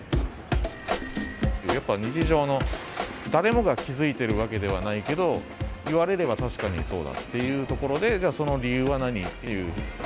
やっぱ日常の誰もが気付いてるわけではないけど言われれば確かにそうだっていうところでじゃあその理由は何っていう。